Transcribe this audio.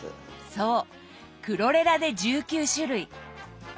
そうクロレラで１９種類。